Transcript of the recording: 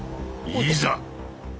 いざ！